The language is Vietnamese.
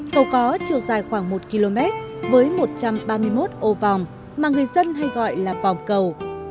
cầu có chiều dài khoảng một km với một trăm ba mươi một ô vòng mà người dân hay gọi là vòng cầu